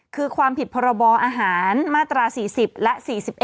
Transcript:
คือความผิดพรบอาหารมาตรา๔๐และ๔๑